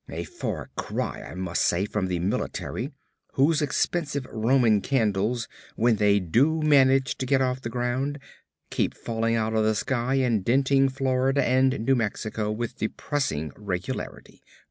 A far cry, I must say, from the military, whose expensive Roman candles, when they do manage to get off the ground, keep falling out of the sky and denting Florida and New Mexico with depressing regularity.